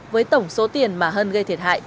với tổng số tiền mà hân gây thiệt hại